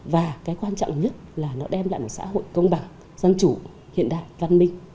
và cái quan trọng nhất là nó đem lại một xã hội công bằng dân chủ hiện đại văn minh